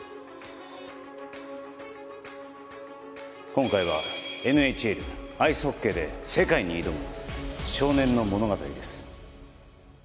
今回はＮＨＬアイスホッケーで世界に挑む少年の物語です